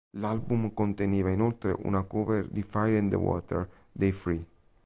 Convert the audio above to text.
L'album conteneva inoltre una cover di "Fire and Water" dei Free.